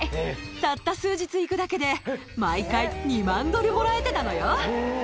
たった数日行くだけで、毎回２万ドルもらえてたのよ。